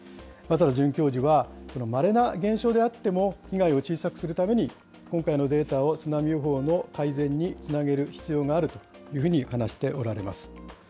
綿田准教授は、まれな現象であっても、被害を小さくするために、今回のデータを津波予報の改善につなげる必要があるというふうに話しておられます。